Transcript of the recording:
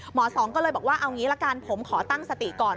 สองก็เลยบอกว่าเอางี้ละกันผมขอตั้งสติก่อน